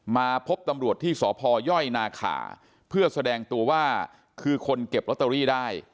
มาพบตำรวจที่สพยนาขาเพื่อแสดงตัวว่าคือคนเก็บลอตเตอรี่ได้